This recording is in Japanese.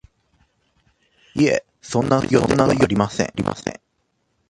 いえ、そんな予定はありません